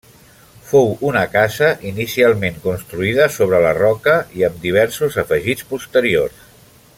Fou una casa inicialment construïda sobre la roca i amb diversos afegits posteriors.